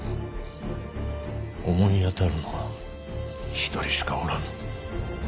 思い当たるのは一人しかおらぬ。